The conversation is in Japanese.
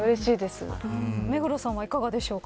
目黒さんはいかがでしょうか。